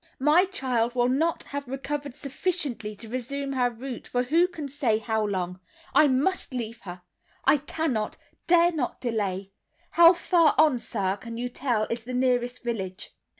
My child will not have recovered sufficiently to resume her route for who can say how long. I must leave her: I cannot, dare not, delay. How far on, sir, can you tell, is the nearest village?